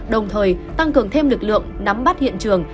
đồng thời tăng cường thêm lực lượng nắm bắt hiện trường